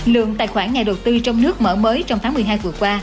lượng tài khoản nhà đầu tư trong nước mở mới trong tháng một mươi hai vừa qua